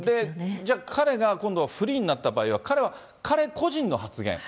じゃ、彼が今度フリーになった場合は、彼は彼個人の発言。